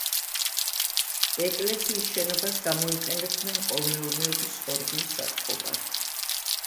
ეკლესიის შენობას გამოიყენებდნენ კოლმეურნეობის ხორბლის საწყობად.